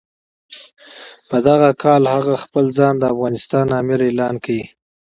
په دغه کال هغه خپل ځان د افغانستان امیر اعلان کړ.